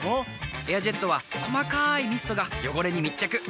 「エアジェット」は細かいミストが汚れに密着。